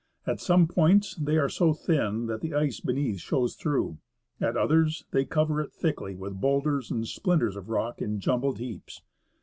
At some points they are so thin that the ice beneath shows through ; at others they cover it thickly with boulders and splinters of rock in jumbled heaps.